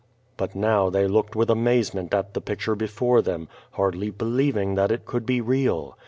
But now they looked with amazement at the picture before them, hardly believing that it could be real.